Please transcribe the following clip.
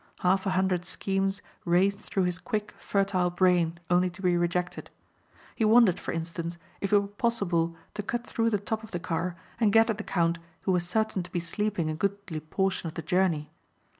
Half a hundred schemes raced through his quick, fertile brain only to be rejected. He wondered, for instance, if it were possible to cut through the top of the car and get at the count who was certain to be sleeping a goodly portion of the journey.